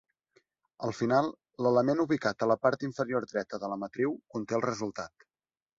Al final, l'element ubicat a la part inferior dreta de la matriu conté el resultat.